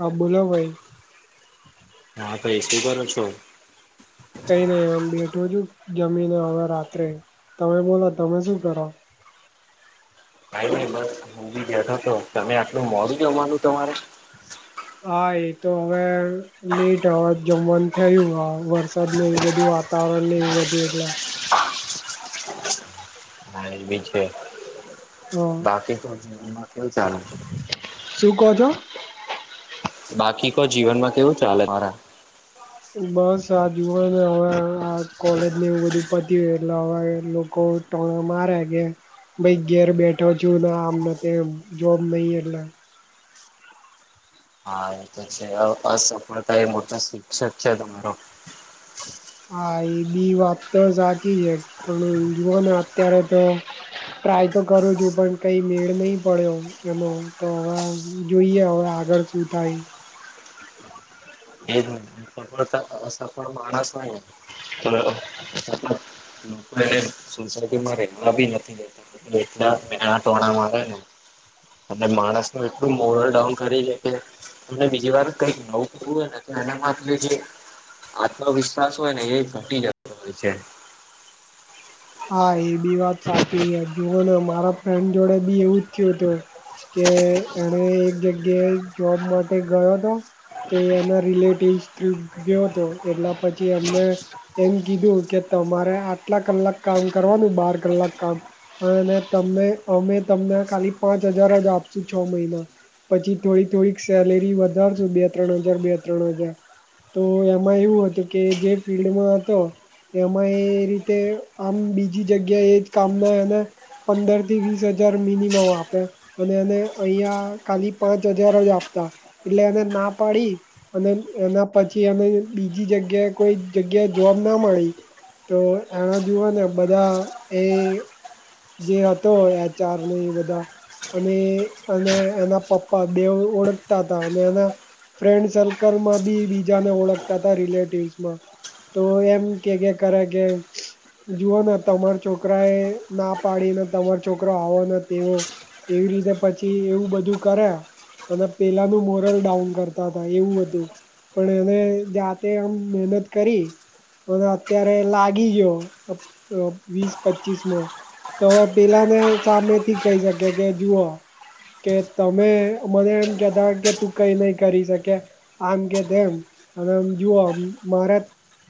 હા, બોલો ભાઈ હા, ભાઈ શું કરો છો. કઈ નઈ આમ બેઠો છુ, જમીને હવે રાત્રે તમે બોલો તમે શું કરો બ સમજી ગયાઠો, તો તમે આટલું મોડું જોવાનું તમારે હા, એ તો હવે લેટ હવા જમવાનું થયું હા વરસાદ ને એવું બધું વાત વાતાવરણ ને એવું હતુ, એટલા હા એ છે, હ બાકી તોમાં કેવ છે. શું કહો છો. બાકી કો જીવનમા, કેવું ચાલે તમારા બસ આ જુવા હવે આ કોલેજ ને એવું બધું પતી હોય, એટલે હવે લોકો તો મારે કે ભાઈ ઘેર બેઠો છુ, ના આમને જોબ નહી, એટલે હા એ તો છે, અસફળતા એ મોટા શિક્ષક છે, તમારો હા, એ બી વાત તો સાચી છે, પણ હ જુઓ ને અત્યારે તો ટ્રાય તો કરું છુ, પણ કઈ મેળ નહી, પડ્યો એનો તો હવે જોઈએ હવે, આગળ શું થાય એ જ સ પણ માણસ, નહી લોકો એ સંસર્ગ મારે આ બી નથી, જેતા એટલાના, ટોણા માટે ને અનેટ માણસનુ એટલું મોરલ ડાઉન કરી લ કે તમને બીજી વાર કઈક નવું કરવું હોય, ને એનામાં આપણે જે આત્મવિશ્વાસ હોય ને એ ઘટી જતો હોય છે. હા એ બી વાત સાચી છે, જુઓ ને મારા ફ્રેન્ડ જોડે બી એવું જ થયું હતુ કે એણે એક જગ્યાએ જોબ માટે ગયો, હતો. તે એના રિલેટિવ ગયો હતો, એટલા પછી એમને એમ કીધું કે તમારે આટલા કલાક કામ કરવાનુ બાર કલાક કામ અને તમે અમે તમને ખાલી પાંચ હજાર જ આપશુ છ, મહિના પછી થોડી થોડીક સેલેરી વધારશો બે ત્રણ હજાર, બે ત્રણ હજાર તો એમાં એવું હતુ, કે જે ફિલ્ડમાં હતો એમાં એ રીતે આમ બીજી જગ્યા એજ કામના એને પંદર થી વીસ હજાર, મિનિમમ આપે અને એને અહં ખાલી પાંચ હજાર, જ આપતા એટલે એને ના પાડી અને એના પછી એને બીજી જગ્યાએ કોઈ, જગ્યાએ જોબ ના મળી તો એના જુઓ, ને બધા એ જે હતો એચાર, ન એ બધા અને અને એના પપ્પા દેવ ઓળખતા હતા, અને એના ફ્રેન્ડ સર્કલમાં બી બીજાને ઓળખતા હતા રિલેટિવસમાં તો એમ કે કે કરે કે જુઓ ને તમાર છોકરા એ ના પાડીને, તમારો છોકરો આવો ને તેવો એવી રીતે પછી એવું બધું કર્યા અને પેલાનું મોરલ ડાઉન કરતા હતા એવું હતુ. પણ એને જાતે આમ મહેનત કરી અને અત્યારે લાગી ગયો. વીસ પચીસ મા તો હવે પેલાને સામે થી કહી શકે કે જુઓ કે તમે મને એમ કેતા કે તું કઈ નઈ કરી શકે આમ કે તેમમ અને જઓ મારે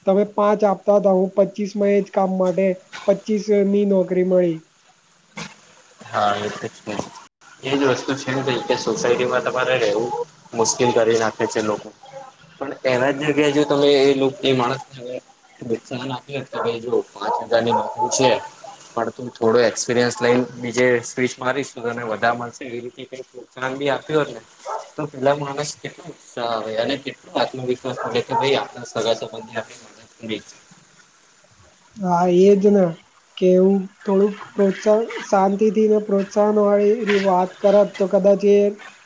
તમે પાંચ આપતા હતા હું પચીસ માં એ જ કામ માટે પચીસ ની નોકરી મળી હા એ જ એજ વસ્તુ છેમ કે કે સોસાયટીમાં તમારે રહેવું મુશ્કેલ કરી નાખે છે લોકો પણ એવા જ જગ્યા જો તમે એ લોક નહી માણસ હવે બ ચાન આપી કે ભાઈ જો પાંચ હજાર ની નોકરી છે પણ તું થોડું એક્સપિરિયન્સ લઈ નીજે સ્વચ મારીશું તોને વધા મળશે એવી રી પ્રોત્સાહન બી આપ્યું હોત ને તો પેલા માણસ કેટલો ઉત્સાહ આવે અને કેટલોું આત્મવિશ્વાસ મળે કે ભાઈ આપણા સગા સંબંધી આપ જ [unintelligible] હા એજ ને કે એવું થોડુંક પ્રોત્સા શાંતિ થી ને પ્રોત્સાહન વાળી વાત કરત તો કદાચ એ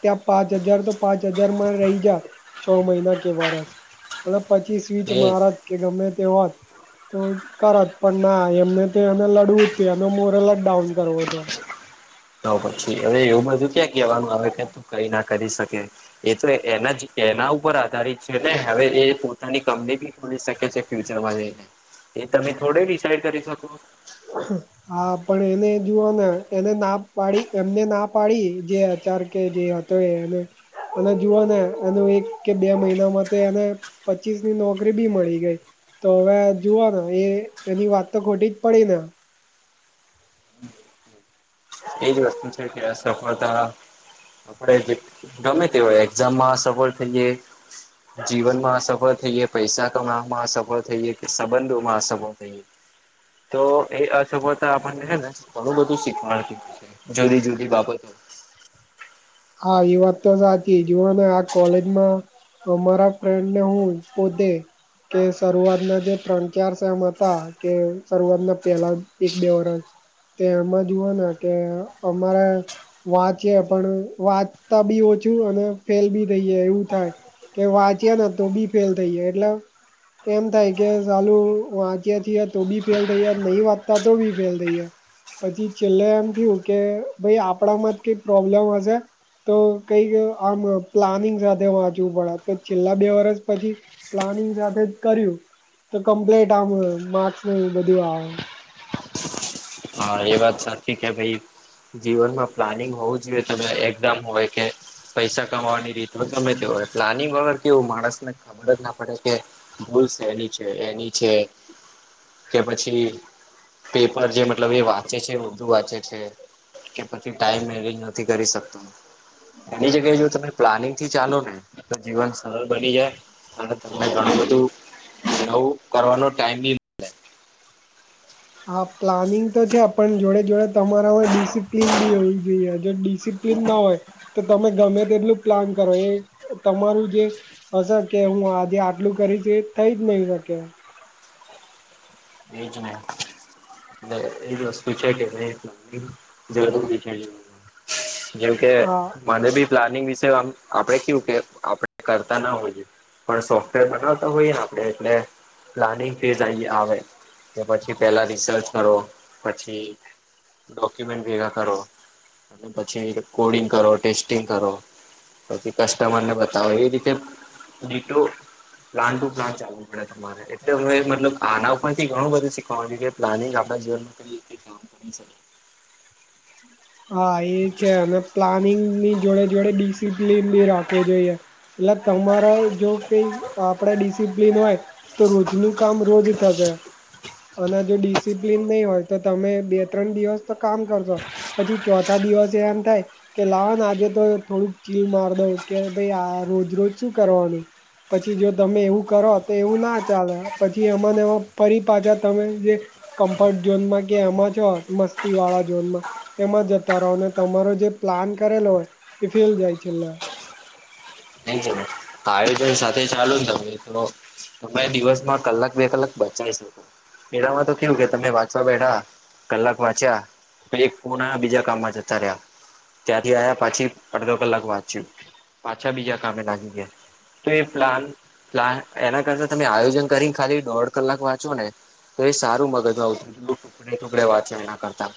ત્યાં પાંચ હજાર તો પાંચ હજાર મામાં રહી જા છ મહિના કે વરસ મલ પછી સ્વીચ એ મારત કે ગમે તે હોત તો કર પણ ના એમને તો એને લડવું જ એનો મોરલ જ ડાઉન કરવો હતો તો પછી હવે એવું બધું ક્યાં કહેવાનું આવે કે તું કઈ ના કરી શકે એ તો એના એના ઉપર આધારિત છે ને હવે એ પોતાની કંપની મળી શકે છે ફ્યુચરમાં જઈને એ તમે થોડે ડિસાઈડ કરી શકો. હા હા પણ એને જુઓ ને એને ના પાડી એમને ના પાડી જે એચાર કે જે તોને અને જુઓ ને એનું એક કે બે મહિના માટે એને પચીસ ની નોકરી બી મળી ગઈ તો હવે જુઓ એ એની વાત તો ખોટી જ પડેના એજ વસ્તુ છે કે સફળતા આપણે ગમે તે હોય એક્ઝામમાં સફળ થઈ ગ્યે જીવન માં અસફળ થઈએ પૈસા કમાવવામાં અસફળ થઈએે કે સંબંધોમાં અસફળ થઈએ તો એ અસફળતા આપણને છે ને ઘણું બધું શીખવાડતી હોય. જુદી જુદી બાબતો હા એ વાત તો સાચી જુઓને આ કોલેજમાં મારા ફ્રેન્ડ ને હું પોતે કે શરૂઆતના જે ત્રણ ચાર શેમ હતા કે શરૂઆતના પહેલા એક બે વર્ષ તે એમાં જુઓ કે અમારા વાચીએ પણ વાંચતા બી ઓછું અને ફેલ બી થઈ જાય એવું થાય કે વાંચ્યા ને તો બી ફેલ થઈ જાય એટલે એમ થાય કે સાલું વાંચ્યા તો બી ફેલ થઈ જ નહી વાંચતા તો બી ફેલ થઈ જાય પછી છેલ્લે એમ થયું કે ભાઈ આપણા માં જ કઈ પ્રોબ્લેમ હશે. તો કઈ આમ પ્લાનિંગ સાથે વાંચવું પડે તો છેલ્લા બે વર્ષ પછી પ્લાનિંગ સાથે જ કર્યું તો કમ્પ્લીટ આમ માર્ક્સ ને એવું બધું આવે હા એ વાત સાચી કે ભાઈ જીવનમાં પ્લાનિંગ હોવું જોઈએ તમે એકદમ હોય કે પૈસા કમાવાની રીત ગમે તે હોય પ્લાનિંગ વગર કેવું માણસ ને ખબર જ ના પડે કે ભૂલ સેની છે એની છે એની છે કે પછી પેપર જે મ મતલબ એ વાંચે છે વધુ વાંચે છે કે પછી ટાઈમ મેનેજ નથી કરી શકતો એની જગ્યાએ જો તમે પ્લાનિંગ થી ચાલો ને તો જીવન સરળ બની જાય અને તમને ઘણું બધું નવું કરવાનો ટાઈમીંગ હા પ્લાનિંગ તો છે પણ જોડે જોડે તમારામાં ડિસિપ્લિન બી હોવી જોઈએ જો ડિસી ના હોય તો તમે ગમે તેટલું પ્લાન કરો એ તમારું જે હશે કે હું આજે આટલું કરીશ એ થઈ જ નહી શકે. એજ ને. એ વસ્તુ છે કે [unintelligible] જરૂરી થી જાણી લેવાનું. જેમ કે હા મને બી પ્લાનિંગ વિશે આ આપડે કેવું કે આપડે કરતા ના હોઈએ. પણ સોફ્ટવેર બનાવતા હોઈએ ને આપડે એટલે પ્લાનિંગ ડિઝાઇન બી આવે. કે પછી પેલા રિસર્ચ કરવો. પછી ડોક્યુમેન્ટ ભેગા કરો. અને પછી કોડિંગ કરો ટેસ્ટિંગ કરો. પછી કસ્ટમર ને બતાવી એ રીતે D two plan two plan ચાલે. અમને તો મારી રીતે એટલે હું મતલબ આના ઉપર થી ઘણું બધું શીખવાનું કે પ્લાનિંગ આપણા જીવન કઈ રીતે કામ કરી શકે. [inaudible] હા એ છે અને પ્લાનિંગ ની જોડે જોડે ડિસિપ્લીન બી રાખવો જોઈએ. એટલે તમારે જો બી આપડે ડિસિપ્લન હોય તો રોજનું કામ રોજ થશે. અને જો ડિસિપ્લન નહી હોય તો તમે બે ત્રણ દિવસ તો કામ કરશો. પછી ચોથા દિવસ એમ થાય. કે લાવો ને આજે તો થોડુંક ચીલ માર દઉ કે ભાઈ આ રોજ રોજ શું કરવાનું. પછી જો તમે એવું કરો તો એવું ના ચાલે પછી એમાં ને એમાં ફરી પાછા તમે જે કમ્ફર્ટ ઝોનમાં કે એમાં છો મસ્તી વાળા ઝોનમાં તેમાં જતા રહો ને તમારો જે પ્લાન કરેલો હોય એ ફેલ જાય છેલ્લે. તેજ ને તળેજન સાથે ચાલુ ને તો એકલો તમે દિવસમાં કલાક બે કલાક બચાવી શકો. એનામાં તો કેવું કે તમે વાંચવા બેઠા કલાક વાંચ્યા પાહિ એક ફોન બીજા કામમાં જતા રહ્યા. ત્યાંથી આયા પાછી અડધો કલાક વાંચ્યું પાછા બીજા કામે લાગી ગયા. તો એ પ્લાન પ્લા એના કરતા તમે આયોજન કરી ખાલી દોઢ કલાક વાંચો ને તો એ સારું મગજ માં [unintelligible] ટુકડે ટુકડે વાંચો એના કરતા.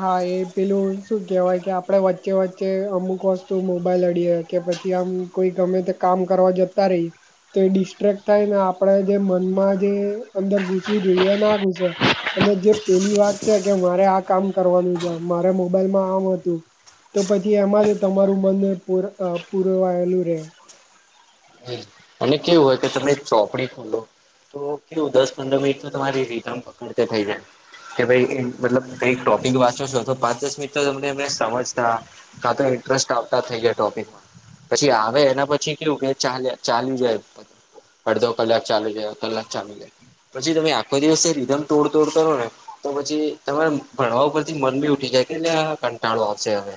હા એ પેલું શું કેહેવાય કે આપડે વચ્ચે વચ્ચે અમુક વસ્તુ મોબાઈલ અડીએ કે પછી આમ કોઈ ગમે તે કામ કરવા જતા રહી તો એ ડિસ્ટ્રેક થાય ને આપણે જે મનમાં જે અંદર ઘુસવું જોઈએ ના ઘુસે. અને જે પેલી વાત છે કે મારે આ કામ કરવાનું છે મારે મોબાઈલમાં આમ હતું તો પછી એમાં જ તમારું મન પુ આ પુરવાયેલું રે. જી. અને કેવું હોય કે તમે ચોપડી ખોલો તો કેવું દસ પંદર મિનિટ તો તમારી રીધમ પકડતે થઈ જાય કે ભાઈ એ મતલબ કઈ ટોપિક વાંચો છો તો પાંચ દસ મિનિટ તો તમને અમને સમજતા કા તો ઇન્ટરેસ્ટ આવતા થઈ જાય ટોપિકમાં. પછી આવે એના પછી કેવું કે ચા ચાલી જાય. અડધો કલાક ચાલુ રે કલાક ચાલુ રે. પછી તમે આખો દિવસ રીધમ તોડ તોડ કરો ને તો પછી તમારે ભણવા ઉપરથી મન ભી ઉઠી જાય કે એટલે આ કંટાળો આવશે હવે.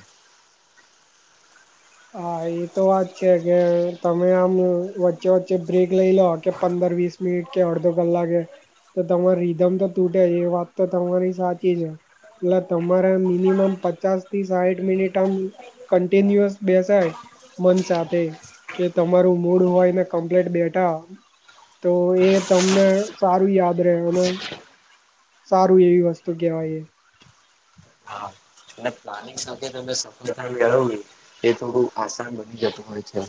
હા એ તો વાત છે કે તમે આમ વા વચ્ચે વચ્ચે બ્રેક લઈ લો કે પંદર વીસ મિનિટ કે અડધો કલાકે તો તમારી રીધમ તો તૂટે છે એ વાત તો તમારી સાચી છે. એટલે તમારે મિનિમમ પચાસ થી સાહીઠ મિનિટ આમ કન્ટિન્યુઅસ બેસાય મન સાથે કે તમારું મૂડ હોય ને કમ્પ્લીટ બેઠા તો એ તમને સારું યાદ રહેવાનો. સારું એવી વસ્તુ કેવાય એ [unintelligible] એક સાથે તમે સફળતા મેળવી એ થોડું આસાન બની જતું હોય છે.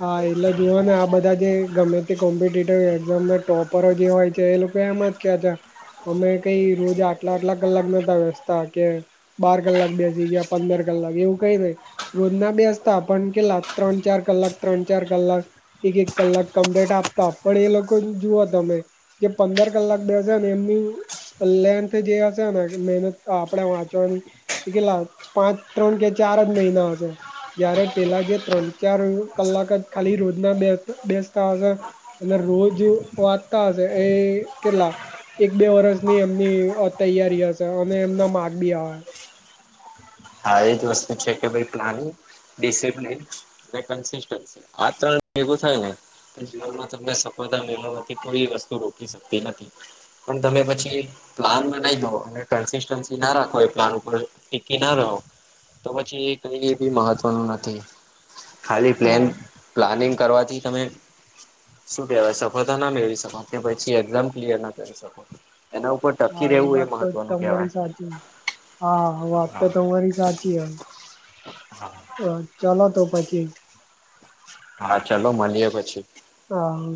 હા એટલે જુઓ ને આ બધા જે ગમે તે કોમ્પિટેટિવ એક્ઝામના ટોપરો જે હોય છે એ લોકો એમાં જ ા અમે કઈ રોજ આટલા આટલા કલાક નતા વસતા કે બાર કલાક બેસી ગયા પંદર કલાક એવું કઈ ન રોજ ના બેસતા પણ કેલા ત્રણ ચાર કલાક ત્રણ ચાર કલાક એક એક કલાક કમ્પ્લેટ આપતા પણ એ લોકો જુઓ તમે જે પંદર કલાક બેસે એમની લેન્થ જે હશેને મહેનત આપણે વાંચવાની એ કેલા પાંચ ત્રણ કે ચાર જ મહિના હશે જયારે પેલા જે ત્રણ ચાર કલાક જ ખાલી રોજના બે બેસતા હશે અને રોજ વાંચતા હશે એ કેટલા એક બે વર્ષની એમની તૈયારી હશે અને એમના માર્ગ બી આવે હ હા એજ વસ્તુ છે કે ભાઈ પ્ર્ણી ડિસપ્લન કસ આ ત્રણ ભેગું થાય ને જીવનમાં તમને સફળતા મેળવવાથી કોઈ વસ્તુ રોકીલી શકતી નથી પણ તમે પછી પ્લાન બનાવી દો અને કન્સિસ્ટન્સી ના રાખો એ પ્લાન ઉપર ટીકી ના રહો તો પછી એ કઈ બી મહત્વનું નથી ખાલી પ્લેન હા પ્લાનિંગ કરવાથી તમે શું કેહેવાય સફળતા ના મેળવી શકો કે પછી એક્ઝામ ક્લિયર ના કરી શકો એના ઉપર ટકી હા એ રહેવું વાત તો મહત્વનું કહેવાય તમારી સાચી હા વાત તો તમારી સાચી હ હા અ ચાલ તો પછી હા ચલોો મળીએ પછી હા